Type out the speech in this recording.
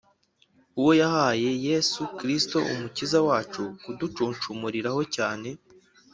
uwo yahaye Yesu Kristo Umukiza wacu kuducunshumuriraho cyane,